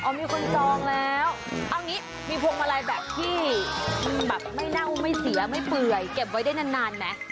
มีคนจองแล้วเอางี้มีพวงมาลัยแบบที่มันแบบไม่เน่าไม่เสียไม่เปื่อยเก็บไว้ได้นานไหม